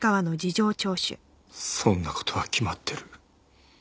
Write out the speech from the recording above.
そんな事は決まってる。